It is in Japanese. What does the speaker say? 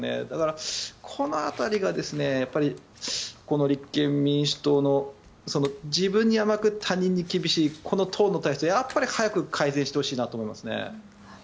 だから、この辺りがこの立憲民主党の自分に甘く他人に厳しいこの党の体質はやっぱり早く改善してほしいと思います。